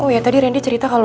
oh ya tadi ren dia cerita kalau